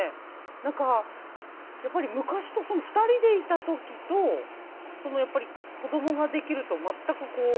なんかやっぱり昔と２人でいた時とやっぱり子供ができると全くこう別物というか。